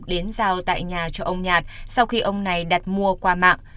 đến giao tại nhà cho ông nhạt sau khi ông này đặt mua qua mạng